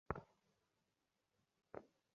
Danny, এটা আমার আর উইলের মধ্যকার ব্যাপার।